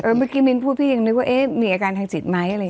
เมื่อกี้มิ้นพูดพี่ยังนึกว่ามีอาการทางจิตไหมอะไรอย่างนี้